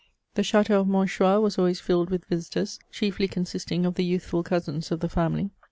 The Chateau of Monchoix was always filled with visitors, chiefly consisting of the youthful cousins of the family.